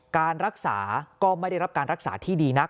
การรักษาก็ไม่ได้รับการรักษาที่ดีนัก